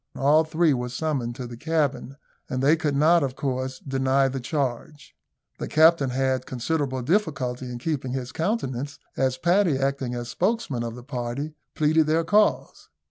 All three were summoned to the cabin, and they could not, of course, deny the charge. The captain had considerable difficulty in keeping his countenance, as Paddy, acting as spokesman of the party, pleaded their cause.